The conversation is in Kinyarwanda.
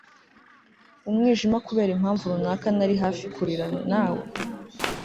umwijima kubera impamvu runaka nari hafi kurira. na we